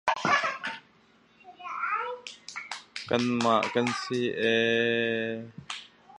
Novosultangulovo is the nearest rural locality.